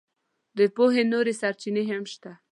د پوهې نورې سرچینې هم شته.